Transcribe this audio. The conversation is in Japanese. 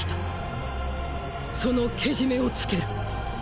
そのけじめをつける。